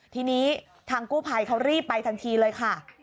ทีนี้ทางกู้ภัยเขารีบไปทันทีเลยค่ะ